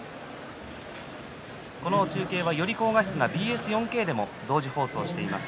この中継は、より高画質なＢＳ４Ｋでも同時に放送しています。